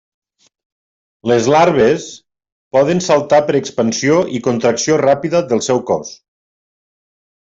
Les larves poden saltar per expansió i contracció ràpida del seu cos.